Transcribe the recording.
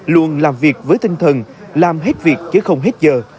luôn làm việc với tinh thần làm hết việc chứ không hết giờ